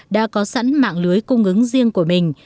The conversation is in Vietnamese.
đã có sẵn mạng lưới cung ứng riêng của mình